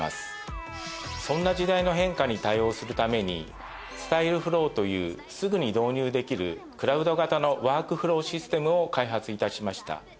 そんな時代の変化に対応するためにＳｔｙｌｅｆｌｏｗというすぐに導入できるクラウド型のワークフローシステムを開発致しました。